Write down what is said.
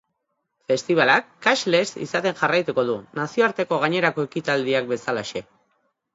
Festibalak cashless izaten jarraituko du, nazioarteko gainerako ekitaldiak bezalaxe.